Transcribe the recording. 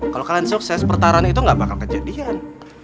kalau kalian sukses pertaruhan itu gak bakal kejadian